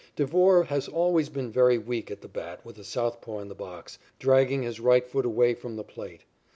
Devore has always been very weak at the bat with a southpaw in the box, dragging his right foot away from the plate.